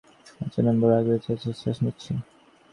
বাচ্চা নম্বর এক বেঁচে আছে, শ্বাস নিচ্ছে।